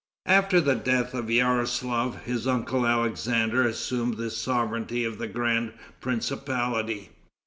After the death of Yaroslaf, his uncle Alexander assumed the sovereignty of the grand principality.